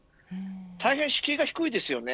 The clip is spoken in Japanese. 大変敷居が低いですよね。